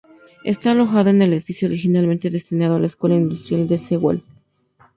Está alojado en el edificio originalmente destinado a la Escuela Industrial de Sewell.